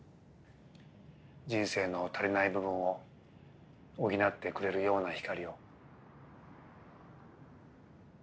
人生の足りない部分を補ってくれるような光を。